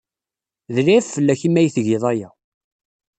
D lɛib fell-ak imi ay tgiḍ aya.